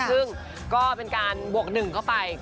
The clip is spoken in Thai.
ซึ่งก็เป็นการบวก๑เข้าไป